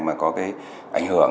mà có ảnh hưởng